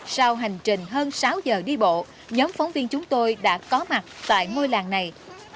sau hành trình hơn sáu giờ đi bộ nhóm phóng viên chúng tôi đã có mặt tại ngôi làng này